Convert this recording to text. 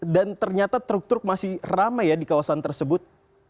dan ternyata truk truk masih ramai ya di kawasan tersebut